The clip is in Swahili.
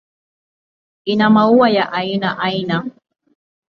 Ina maua ya aina aina.